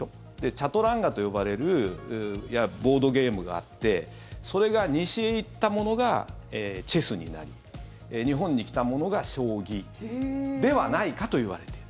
チャトランガと呼ばれるボードゲームがあってそれが西へ行ったものがチェスになり日本に来たものが将棋ではないかといわれている。